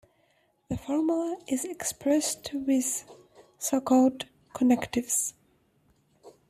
The formula is expressed with - so-called - connectives.